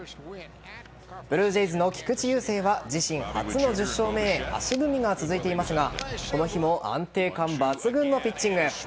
ブルージェイズの菊池雄星は自身初の１０勝目へ足踏みが続いていますがこの日も安定感抜群のピッチング。